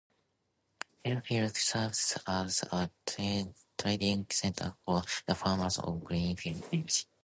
Fairfield serves as a trading center for the farmers of Greenfield Bench.